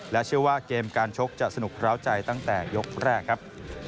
เชื่อว่าเกมการชกจะสนุกร้าวใจตั้งแต่ยกแรกครับ